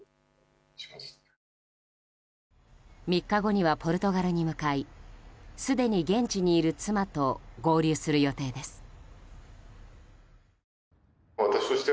３日後にはポルトガルに向かいすでに現地にいる妻と合流する予定です。